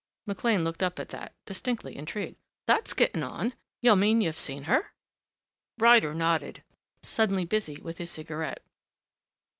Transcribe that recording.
McLean looked up at that, distinctly intrigued. "That's getting on.... You mean you've seen her?" Ryder nodded, suddenly busy with his cigarette.